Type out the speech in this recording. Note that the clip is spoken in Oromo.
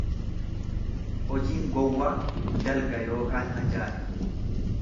hojiin gowwaa dalga yookaan ajaa'iba.